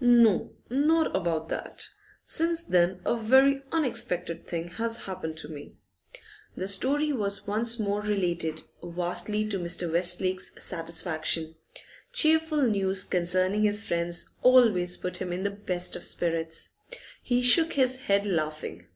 'No, not about that. Since then a very unexpected thing has happened to me.' The story was once more related, vastly to Mr. Westlake's satisfaction. Cheerful news concerning his friends always put him in the best of spirits. He shook his head, laughing.